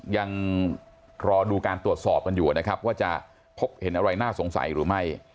ยังรอดูการตรวจสอบกันอยู่นะครับว่าจะพบเห็นอะไรน่าสงสัยหรือไม่